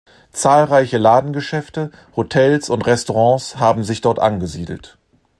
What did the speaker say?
Zahlreiche Ladengeschäfte, Hotels und Restaurants haben sich dort angesiedelt.